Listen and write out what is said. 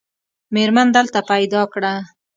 مېرمن دلته پیدا کړه.